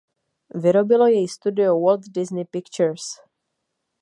Vyrobilo jej studio Walt Disney Pictures.